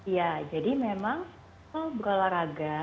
ya jadi memang kalau berolahraga